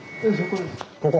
ここ。